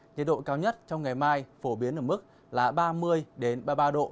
nhiệt độ cao nhất trong ngày mai phổ biến ở mức là ba mươi ba mươi ba độ